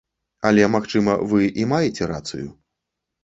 Але, магчыма, вы і маеце рацыю.